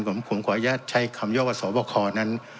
ผมขออนุญาตใช้คำย่อว่าสวบคนั้น